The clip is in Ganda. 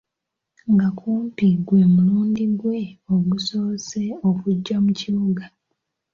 Nga kumpi gwe mulundi gwe ogusoose okujja mu kibuga.